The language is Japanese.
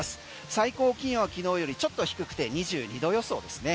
最高気温は昨日よりちょっと低くて２２度予想ですね。